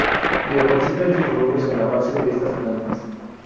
Depositan sus huevos en la base de estas plantas.